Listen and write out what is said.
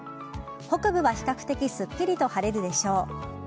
北部は比較的すっきりと晴れるでしょう。